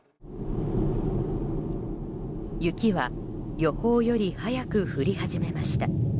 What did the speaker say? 雪は予報より早く降り始めました。